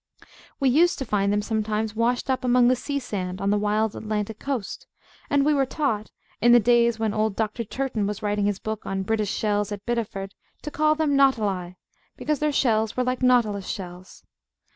We used to find them sometimes washed up among the sea sand on the wild Atlantic coast; and we were taught, in the days when old Dr. Turton was writing his book on British shells at Bideford, to call them Nautili, because their shells were like Nautilus shells.